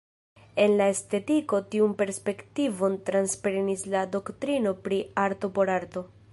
En la estetiko tiun perspektivon transprenis la doktrino pri "arto por arto".